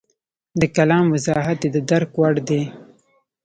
د کلام وضاحت یې د درک وړ دی.